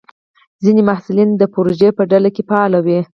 ځینې محصلین د پروژې په ډله کې فعال وي.